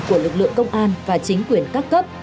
của lực lượng công an và chính quyền các cấp